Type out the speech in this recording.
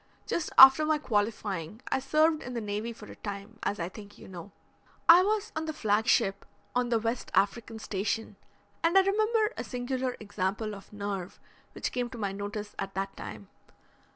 "Just after my qualifying I served in the Navy for a time, as I think you know. I was on the flag ship on the West African Station, and I remember a singular example of nerve which came to my notice at that time.